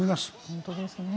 本当ですね。